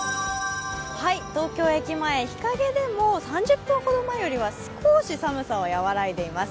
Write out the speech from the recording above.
東京駅前、日陰でも３０分ほど前よりは少し寒さは和らいでいます。